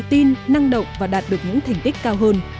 tin năng động và đạt được những thành tích cao hơn